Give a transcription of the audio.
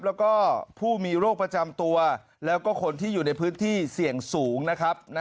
แล้วก็ผู้มีโรคประจำตัวแล้วก็คนที่อยู่ในพื้นที่เสี่ยงสูงนะครับ